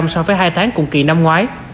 so với hai tháng cùng kỳ năm ngoái